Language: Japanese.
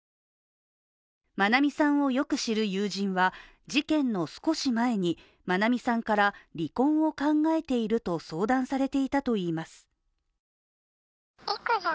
愛美さんをよく知る友人は、事件の少し前に、愛美さんから、離婚を考えていると相談されていたといいます。